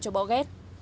cho bỏ ghét